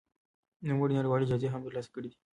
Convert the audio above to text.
نوموړي نړيوالې جايزې هم ترلاسه کړې دي.